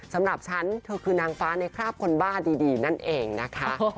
สำหรับฉันเธอคือนางฟ้าในคราบคนบ้าดีนั่นเองนะคะ